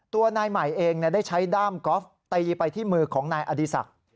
ตัวนายใหม่เองได้ใช้ด้ามกอล์ฟตีไปที่มือของนายอดีศักดิ์